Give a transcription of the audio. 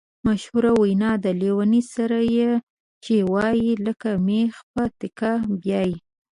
مشهوره وینا ده: لېوني سره یې چې وایې لکه مېخ په تیګه بیایې.